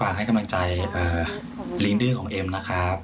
ให้กำลังใจลิงดื้อของเอ็มนะครับ